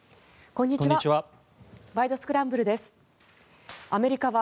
こんにちは。